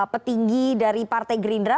petinggi dari partai grisil